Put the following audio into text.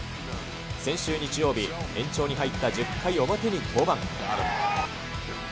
先週日曜日、延長に入った１０回表に登板。